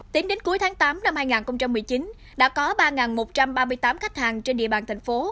tính đến cuối tháng tám năm hai nghìn một mươi chín đã có ba một trăm ba mươi tám khách hàng trên địa bàn thành phố